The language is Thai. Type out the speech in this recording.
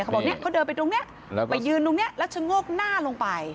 เขาบอกเนี่ยเขาเดินไปตรงนี้ไปยืนตรงนี้แล้วชะโงกหน้าลงไป